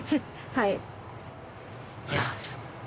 はい。